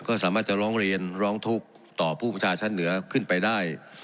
ก็สามารถจะร้องเรียนร้องทุกข์ต่อผู้ประชาชั้นเหนือขึ้นไปได้